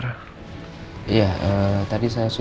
ada apa ini